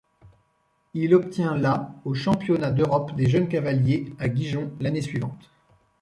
Il obtient la aux Championnats d'Europe des Jeunes Cavaliers à Gijón l'année suivante.